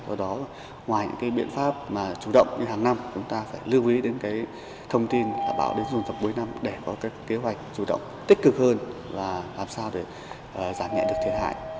do đó ngoài những biện pháp chủ động như hàng năm chúng ta phải lưu ý đến thông tin là bão đến dồn dập mỗi năm để có kế hoạch chủ động tích cực hơn và làm sao để giảm nhẹ được thiệt hại